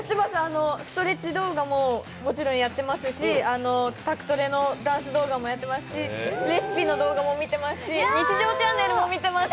ストレッチ動画ももちろんやってますし、宅トレもやってますし、レシピの動画も見てますし、日常チャンネルも見てます。